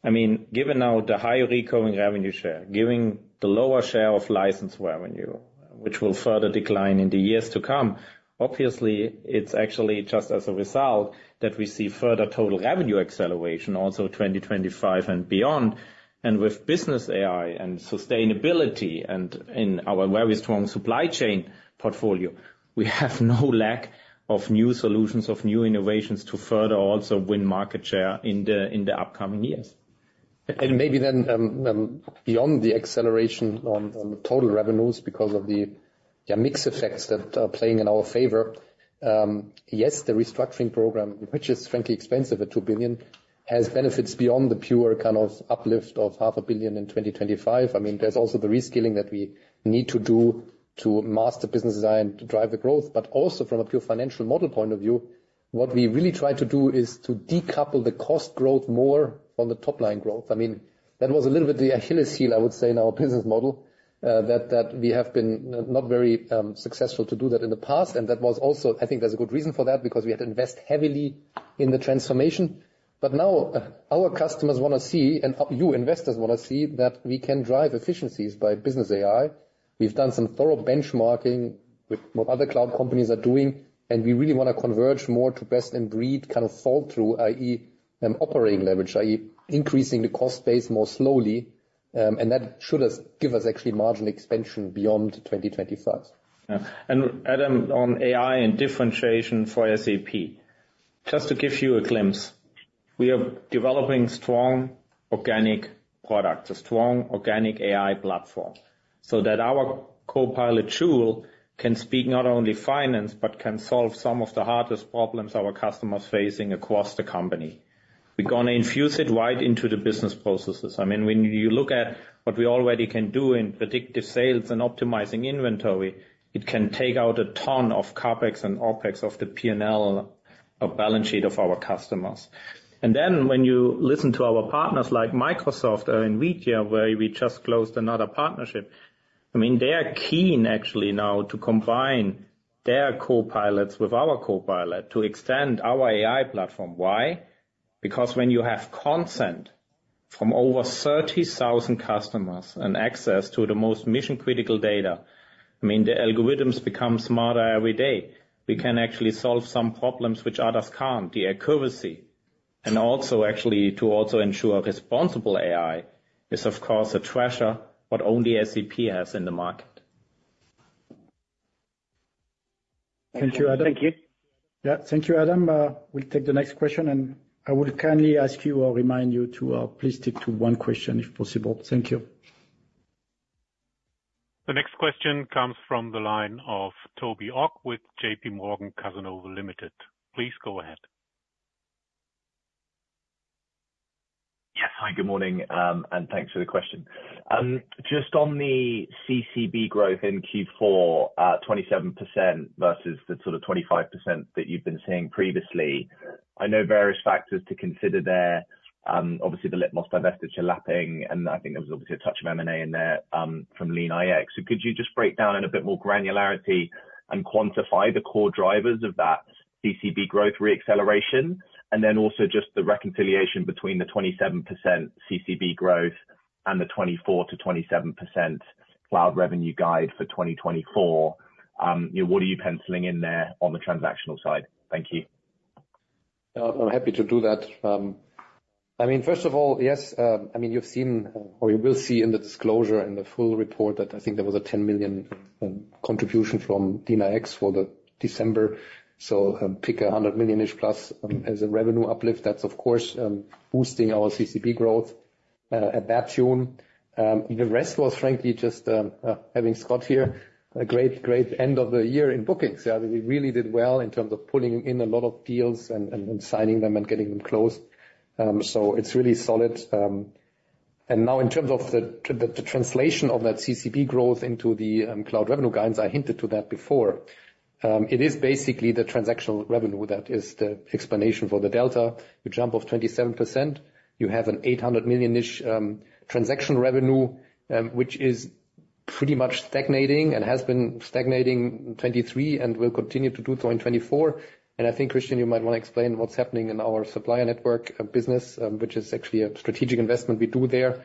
I mean, given now the higher recurring revenue share, giving the lower share of licensed revenue, which will further decline in the years to come, obviously, it's actually just as a result that we see further total revenue acceleration, also 2025 and beyond. And with Business AI and sustainability, and in our very strong supply chain portfolio, we have no lack of new solutions, of new innovations, to further also win market share in the, in the upcoming years. Maybe then, beyond the acceleration on the total revenues because of the mix effects that are playing in our favor, yes, the restructuring program, which is frankly expensive at 2 billion, has benefits beyond the pure kind of uplift of 0.5 billion in 2025. I mean, there's also the reskilling that we need to do to master business design to drive the growth, but also from a pure financial model point of view, what we really try to do is to decouple the cost growth more from the top line growth. I mean, that was a little bit the Achilles heel, I would say, in our business model, that we have been not very successful to do that in the past, and that was also... I think there's a good reason for that, because we had to invest heavily in the transformation. But now, our customers wanna see, and you, investors, wanna see that we can drive efficiencies by Business AI. We've done some thorough benchmarking with what other cloud companies are doing, and we really wanna converge more to best in breed, kind of, fall through, i.e., operating leverage, i.e., increasing the cost base more slowly, and that should give us actually marginal expansion beyond 2025. Yeah. And Adam, on AI and differentiation for SAP, just to give you a glimpse, we are developing strong organic products, a strong organic AI platform, so that our copilot tool can speak not only finance, but can solve some of the hardest problems our customers facing across the company. We're gonna infuse it right into the business processes. I mean, when you look at what we already can do in predictive sales and optimizing inventory, it can take out a ton of CapEx and OpEx off the P&L, balance sheet of our customers. And then, when you listen to our partners, like Microsoft or NVIDIA, where we just closed another partnership, I mean, they are keen actually now to combine their copilots with our copilot to extend our AI platform. Why? Because when you have consent from over 30,000 customers and access to the most mission-critical data, I mean, the algorithms become smarter every day. We can actually solve some problems which others can't, the accuracy, and also actually to also ensure responsible AI is, of course, a treasure, but only SAP has in the market. Thank you, Adam. Thank you. Yeah. Thank you, Adam. We'll take the next question, and I would kindly ask you or remind you to please stick to one question, if possible. Thank you. The next question comes from the line of Toby Ogg with JP Morgan Cazenove Limited. Please go ahead. Yes. Hi, good morning, and thanks for the question. Just on the CCB growth in Q4, 27% versus the sort of 25% that you've been seeing previously, I know various factors to consider there. Obviously, the Litmos divestiture lapping, and I think there was obviously a touch of M&A in there, from LeanIX. So could you just break down in a bit more granularity and quantify the core drivers of that CCB growth reacceleration? And then also just the reconciliation between the 27% CCB growth and the 24%-27% cloud revenue guide for 2024. You know, what are you penciling in there on the transactional side? Thank you. I'm happy to do that. I mean, first of all, yes, I mean, you've seen or you will see in the disclosure in the full report, that I think there was a 10 million contribution from LeanIX for the December, so pick a 100 million+ as a revenue uplift. That's, of course, boosting our CCB growth at that tune. The rest was frankly just having Scott here, a great, great end of the year in bookings. Yeah, I think we really did well in terms of pulling in a lot of deals and signing them and getting them closed. So it's really solid. And now in terms of the translation of that CCB growth into the cloud revenue guidance, I hinted to that before. It is basically the transactional revenue that is the explanation for the delta. You jump off 27%, you have an 800 million-ish transaction revenue, which is pretty much stagnating and has been stagnating in 2023 and will continue to do so in 2024. And I think, Christian, you might want to explain what's happening in our supplier network business, which is actually a strategic investment we do there.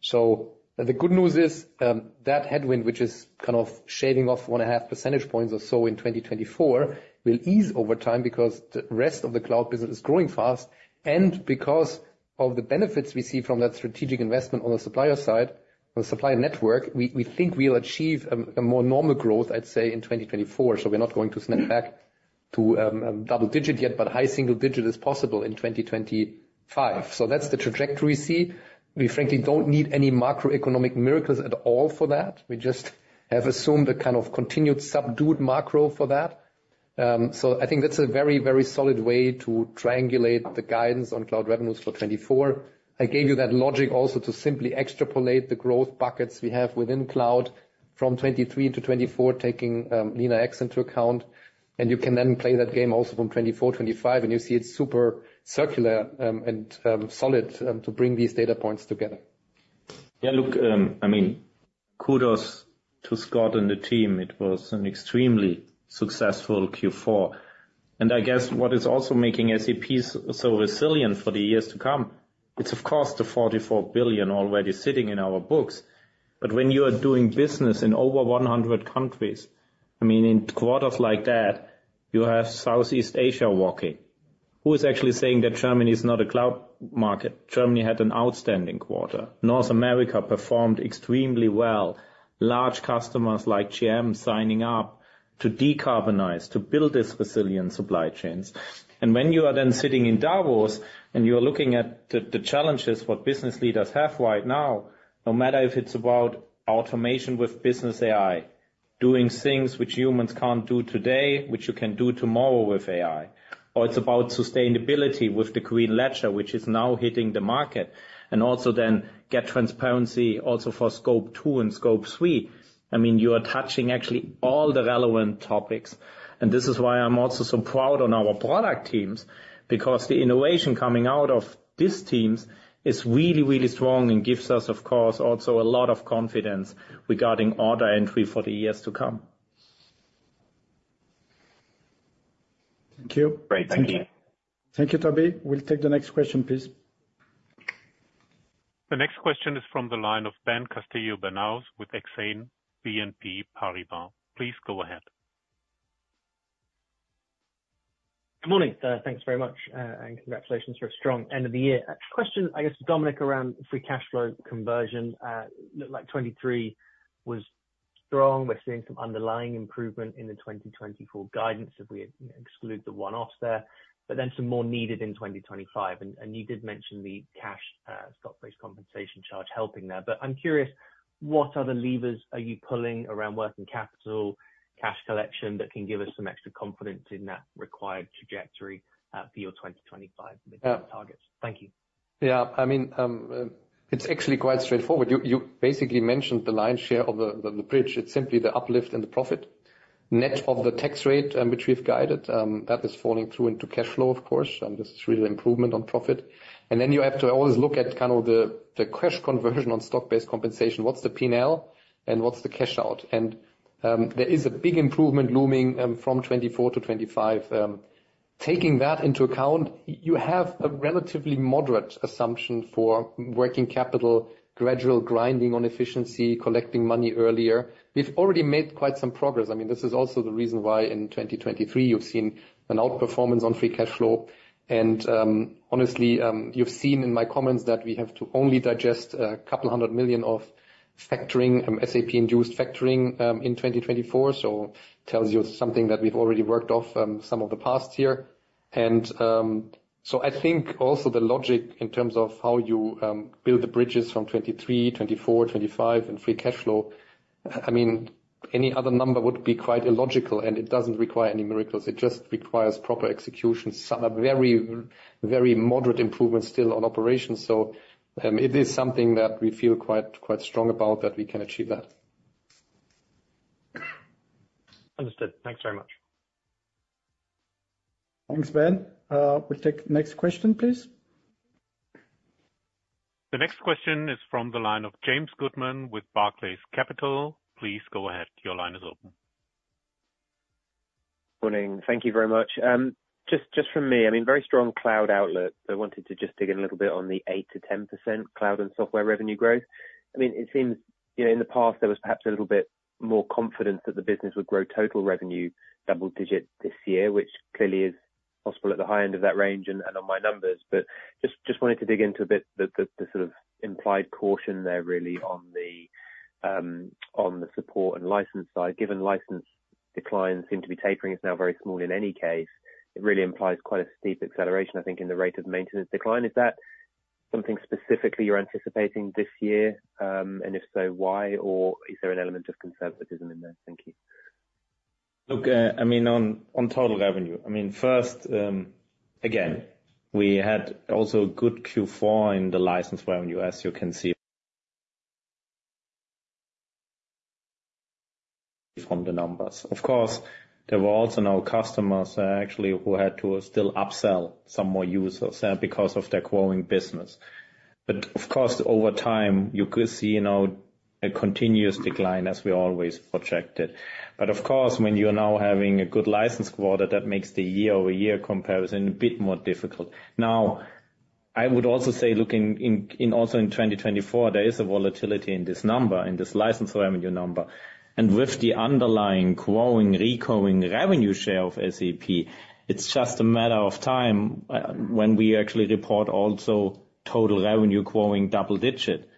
So the good news is, that headwind, which is kind of shaving off 1.5 percentage points or so in 2024, will ease over time because the rest of the cloud business is growing fast, and because of the benefits we see from that strategic investment on the supplier side, on the supplier network, we think we'll achieve a more normal growth, I'd say, in 2024. So we're not going to snap back to double-digit yet, but high single-digit is possible in 2025. So that's the trajectory we see. We frankly don't need any macroeconomic miracles at all for that. We just have assumed a kind of continued subdued macro for that. So I think that's a very, very solid way to triangulate the guidance on cloud revenues for 2024. I gave you that logic also to simply extrapolate the growth buckets we have within cloud from 2023-2024, taking LeanIX into account. And you can then play that game also from 2024, 2025, and you see it's super circular, and solid, to bring these data points together. Yeah, look, I mean, kudos to Scott and the team. It was an extremely successful Q4. And I guess what is also making SAP so, so resilient for the years to come, it's of course, the 44 billion already sitting in our books. But when you are doing business in over 100 countries, I mean, in quarters like that, you have Southeast Asia walking. Who is actually saying that Germany is not a cloud market? Germany had an outstanding quarter. North America performed extremely well. Large customers like GM, signing up to decarbonize, to build this resilient supply chains. And when you are then sitting in Davos and you're looking at the challenges what business leaders have right now, no matter if it's about automation with Business AI, doing things which humans can't do today, which you can do tomorrow with AI, or it's about sustainability with the Green Ledger, which is now hitting the market, and also then get transparency also for Scope 2 and Scope 3. I mean, you are touching actually all the relevant topics. And this is why I'm also so proud on our product teams, because the innovation coming out of these teams is really, really strong and gives us, of course, also a lot of confidence regarding order entry for the years to come. Thank you. Great. Thank you. Thank you, Toby. We'll take the next question, please. The next question is from the line of Ben Castillo-Bernaus with Exane BNP Paribas. Please go ahead. Good morning. Thanks very much, and congratulations for a strong end of the year. A question, I guess, to Dominik, around free cash flow conversion. Looked like 2023 was strong. We're seeing some underlying improvement in the 2024 guidance, if we exclude the one-offs there, but then some more needed in 2025. And, and you did mention the cash, stock-based compensation charge helping there. But I'm curious, what other levers are you pulling around working capital, cash collection, that can give us some extra confidence in that required trajectory, for your 2025 targets? Thank you. Yeah, I mean, it's actually quite straightforward. You basically mentioned the lion's share of the bridge. It's simply the uplift and the profit, net of the tax rate, which we've guided. That is falling through into cash flow, of course, and this is really improvement on profit. And then you have to always look at kind of the cash conversion on stock-based compensation. What's the P&L and what's the cash out? And there is a big improvement looming from 2024-2025. Taking that into account, you have a relatively moderate assumption for working capital, gradual grinding on efficiency, collecting money earlier. We've already made quite some progress. I mean, this is also the reason why in 2023 you've seen an outperformance on free cash flow. Honestly, you've seen in my comments that we have to only digest 200 million of factoring, SAP-induced factoring, in 2024. So it tells you something that we've already worked off some of the past year. So I think also the logic in terms of how you build the bridges from 2023, 2024, 2025, and free cash flow. I mean, any other number would be quite illogical, and it doesn't require any miracles. It just requires proper execution, some very, very moderate improvements still on operations. So it is something that we feel quite, quite strong about, that we can achieve that. Understood. Thanks very much. Thanks, Ben. We'll take the next question, please. The next question is from the line of James Goodman with Barclays Capital. Please go ahead. Your line is open. Good morning. Thank you very much. Just, just from me, I mean, very strong cloud outlook. I wanted to just dig in a little bit on the 8%-10% cloud and software revenue growth. I mean, it seems, you know, in the past there was perhaps a little bit more confidence that the business would grow total revenue double digits this year, which clearly is possible at the high end of that range and, and on my numbers. But just wanted to dig into a bit the sort of implied caution there, really, on the support and license side. Given license declines seem to be tapering, it's now very small in any case, it really implies quite a steep acceleration, I think, in the rate of maintenance decline. Is that something specifically you're anticipating this year? And if so, why? Or is there an element of conservatism in there? Thank you. Look, I mean, on total revenue, I mean, first, again, we had also a good Q4 in the license revenue, as you can see from the numbers. Of course, there were also now customers, actually, who had to still upsell some more users, because of their growing business. But of course, over time, you could see, you know, a continuous decline as we always projected. But of course, when you are now having a good license quarter, that makes the year-over-year comparison a bit more difficult. Now, I would also say, looking in 2024, there is a volatility in this number, in this license revenue number. With the underlying growing, recurring revenue share of SAP, it's just a matter of time when we actually report also total revenue growing double-digit.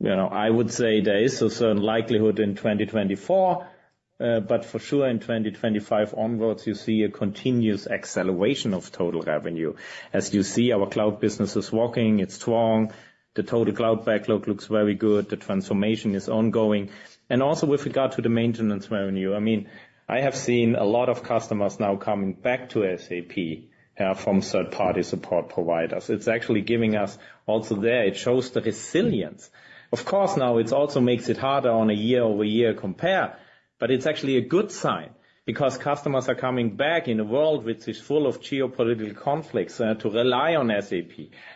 You know, I would say there is a certain likelihood in 2024, but for sure in 2025 onwards, you see a continuous acceleration of total revenue. As you see, our cloud business is working, it's strong. The total cloud backlog looks very good. The transformation is ongoing. And also with regard to the maintenance revenue, I mean, I have seen a lot of customers now coming back to SAP from third-party support providers. It's actually giving us, also there, it shows the resilience. Of course, now it also makes it harder on a year-over-year compare, but it's actually a good sign because customers are coming back in a world which is full of geopolitical conflicts, to rely on SAP,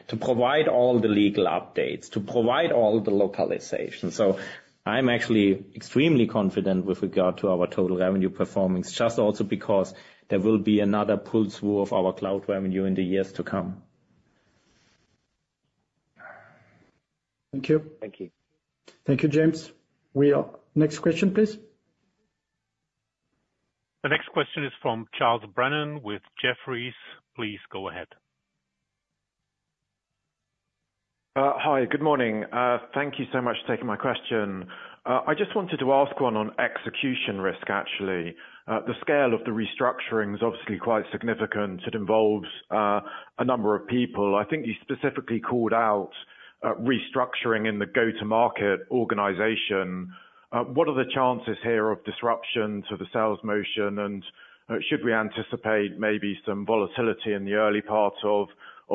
to provide all the legal updates, to provide all the localization. So I'm actually extremely confident with regard to our total revenue performance, just also because there will be another pull-through of our cloud revenue in the years to come. Thank you. Thank you. Thank you, James. Next question, please. The next question is from Charles Brennan with Jefferies. Please go ahead. Hi, good morning. Thank you so much for taking my question. I just wanted to ask one on execution risk, actually. The scale of the restructuring is obviously quite significant. It involves a number of people. I think you specifically called out restructuring in the go-to-market organization. What are the chances here of disruption to the sales motion, and should we anticipate maybe some volatility in the early part of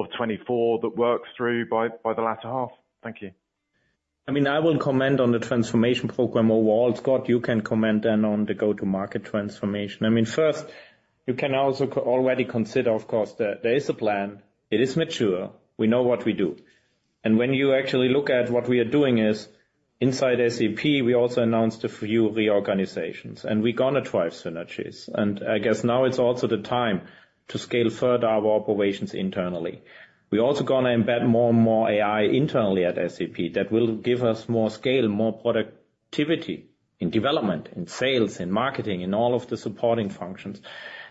2024 that works through by the latter half? Thank you. I mean, I will comment on the transformation program overall. Scott, you can comment then on the go-to-market transformation. I mean, first, you can also already consider, of course, that there is a plan, it is mature, we know what we do. And when you actually look at what we are doing is, inside SAP, we also announced a few reorganizations, and we're gonna drive synergies. And I guess now it's also the time to scale further our operations internally. We're also gonna embed more and more AI internally at SAP. That will give us more scale, more productivity in development, in sales, in marketing, in all of the supporting functions.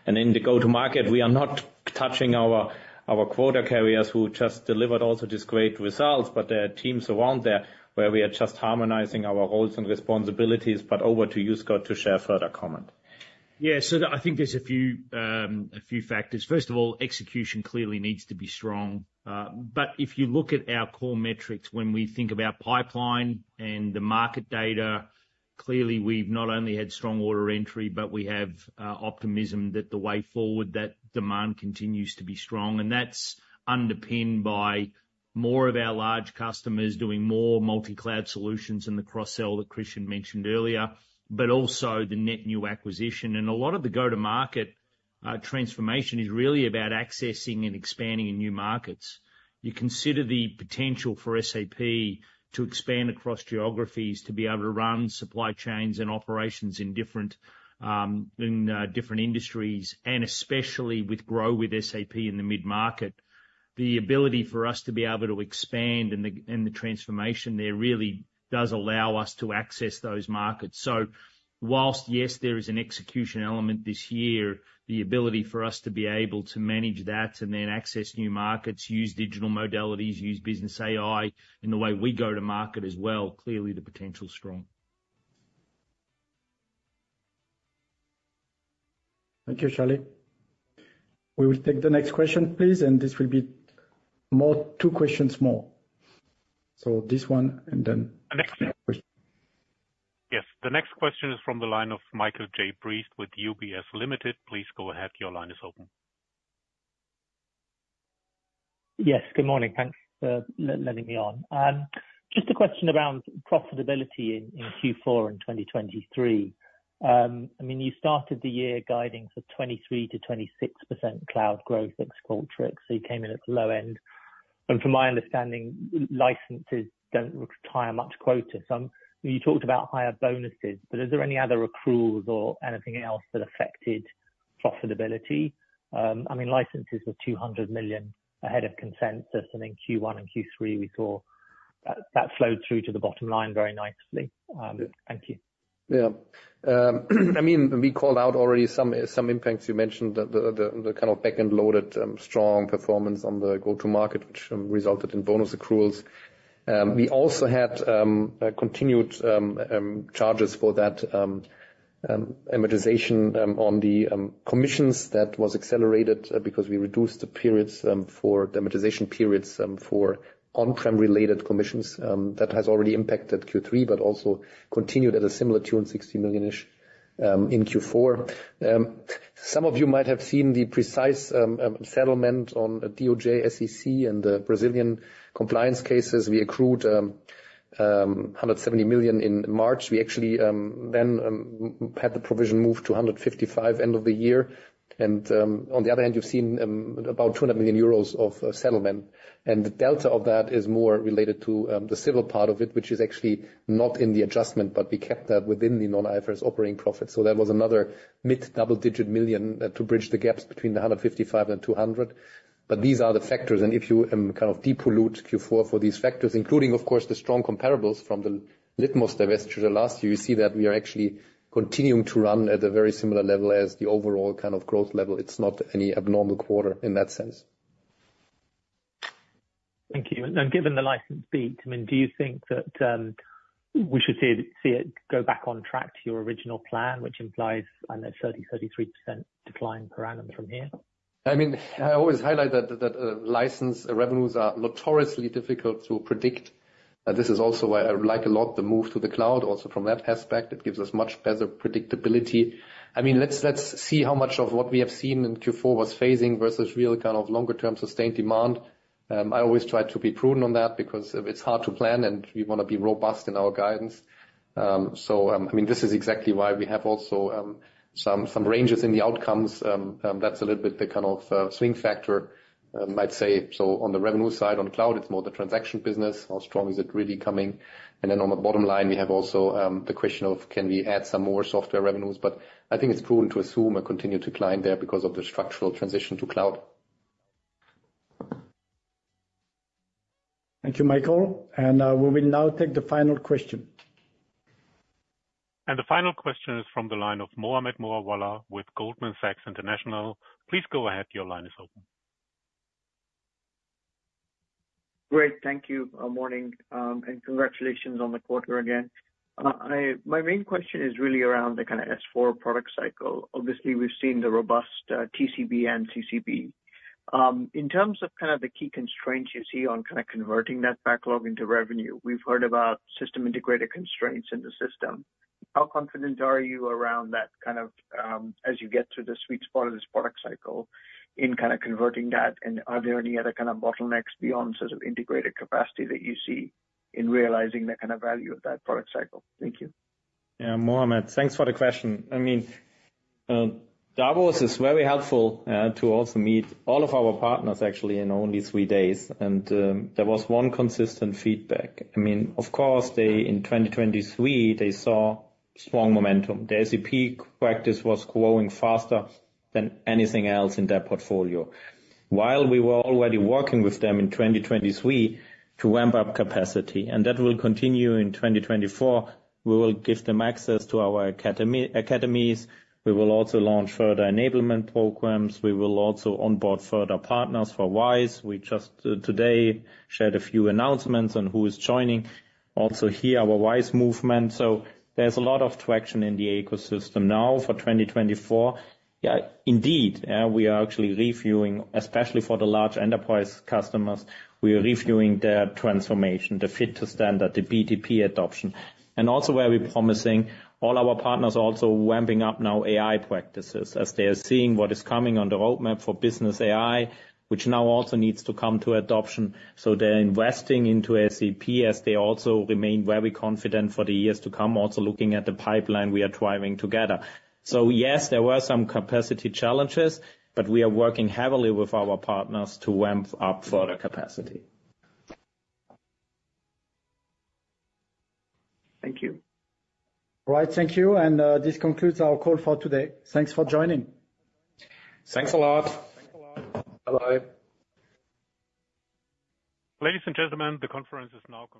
And in the go-to-market, we are not touching our, our quota carriers, who just delivered also these great results, but there are teams around there where we are just harmonizing our roles and responsibilities. Over to you, Scott, to share further comment. Yeah, so I think there's a few, a few factors. First of all, execution clearly needs to be strong. But if you look at our core metrics, when we think about pipeline and the market data, clearly we've not only had strong order entry, but we have, optimism that the way forward, that demand continues to be strong. And that's underpinned by more of our large customers doing more multi-cloud solutions in the cross-sell that Christian mentioned earlier, but also the net new acquisition. And a lot of the go-to-market transformation is really about accessing and expanding in new markets. You consider the potential for SAP to expand across geographies, to be able to run supply chains and operations in different, in, different industries, and especially with GROW with SAP in the mid-market. The ability for us to be able to expand and the transformation there really does allow us to access those markets. So while, yes, there is an execution element this year, the ability for us to be able to manage that and then access new markets, use digital modalities, use Business AI in the way we go to market as well, clearly the potential is strong. Thank you, Charlie. We will take the next question, please, and this will be two questions more. This one, and then the next question. Yes, the next question is from the line of Michael Briest with UBS Limited. Please go ahead. Your line is open. Yes, good morning. Thanks for letting me on. Just a question around profitability in Q4 2023. I mean, you started the year guiding for 23%-26% cloud growth ex Qualtrics, so you came in at the low end. And from my understanding, licenses don't require much quota. You talked about higher bonuses, but is there any other accruals or anything else that affected profitability? I mean, licenses were 200 million ahead of consensus, and in Q1 and Q3, we saw that flowed through to the bottom line very nicely. Thank you. Yeah. I mean, we called out already some impacts. You mentioned the kind of back-end loaded strong performance on the go-to-market, which resulted in bonus accruals. We also had a continued charges for that amortization on the commissions that was accelerated because we reduced the periods for the amortization periods for on-prem related commissions that has already impacted Q3, but also continued at a similar tune, 60 million-ish in Q4. Some of you might have seen the precise settlement on DOJ, SEC, and the Brazilian compliance cases. We accrued 170 million in March. We actually then had the provision move to 155 million end of the year. And on the other hand, you've seen about 200 million euros of settlement. The delta of that is more related to, the civil part of it, which is actually not in the adjustment, but we kept that within the non-IFRS operating profit. That was another mid double-digit million, to bridge the gaps between 155 million and 200 million. These are the factors, and if you, kind of depollute Q4 for these factors, including, of course, the strong comparables from the Litmos divestiture last year, you see that we are actually continuing to run at a very similar level as the overall kind of growth level. It's not any abnormal quarter in that sense. Thank you. Given the license beat, I mean, do you think that we should see it go back on track to your original plan, which implies, I know, 30%-33% decline per annum from here? I mean, I always highlight that license revenues are notoriously difficult to predict. This is also why I like a lot the move to the cloud. Also from that aspect, it gives us much better predictability. I mean, let's see how much of what we have seen in Q4 was phasing versus real kind of longer-term, sustained demand. I always try to be prudent on that because it's hard to plan, and we want to be robust in our guidance. So, I mean, this is exactly why we have also some ranges in the outcomes. That's a little bit the kind of swing factor, I'd say. So on the revenue side, on cloud, it's more the transaction business. How strong is it really coming? And then on the bottom line, we have also, the question of can we add some more software revenues? But I think it's prudent to assume a continued decline there because of the structural transition to cloud. Thank you, Michael. We will now take the final question. The final question is from the line of Mohammed Moawalla with Goldman Sachs International. Please go ahead. Your line is open. Great. Thank you, morning, and congratulations on the quarter again. My main question is really around the kind of S/4 product cycle. Obviously, we've seen the robust TCV and CCB. In terms of kind of the key constraints you see on kind of converting that backlog into revenue, we've heard about system integrator constraints in the system. How confident are you around that kind of, as you get to the sweet spot of this product cycle in kind of converting that, and are there any other kind of bottlenecks beyond sort of integrated capacity that you see in realizing the kind of value of that product cycle? Thank you. Yeah, Mohammed, thanks for the question. I mean, Davos is very helpful to also meet all of our partners actually in only three days, and there was one consistent feedback. I mean, of course, they in 2023, they saw strong momentum. The SAP practice was growing faster than anything else in their portfolio. While we were already working with them in 2023 to ramp up capacity, and that will continue in 2024, we will give them access to our academy, academies. We will also launch further enablement programs. We will also onboard further partners for RISE. We just today shared a few announcements on who is joining, also here, our RISE movement. So there's a lot of traction in the ecosystem now for 2024. Yeah, indeed, we are actually reviewing, especially for the large enterprise customers, we are reviewing their transformation, the Fit-to-Standard, the BTP adoption. And also very promising, all our partners are also ramping up now AI practices, as they are seeing what is coming on the roadmap for Business AI, which now also needs to come to adoption. So they're investing into SAP as they also remain very confident for the years to come, also looking at the pipeline we are driving together. So yes, there were some capacity challenges, but we are working heavily with our partners to ramp up further capacity. Thank you. All right, thank you. This concludes our call for today. Thanks for joining. Thanks a lot. Bye-bye. Ladies and gentlemen, the conference is now concluded.